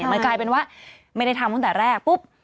มันกลายเป็นว่าไม่ได้ทำตั้งแต่แรกปุ๊บ